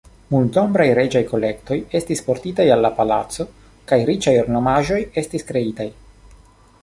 Multnombraj reĝaj kolektoj estis portitaj al la palaco kaj riĉaj ornamaĵoj estis kreitaj.